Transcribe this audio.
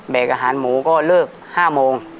อาหารหมูก็เลิก๕โมง